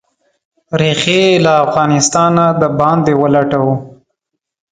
ریښې یې له افغانستانه د باندې ولټوو.